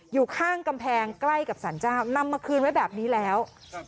อยู่ข้างกำแพงใกล้กับสรรเจ้านำมาคืนไว้แบบนี้แล้ว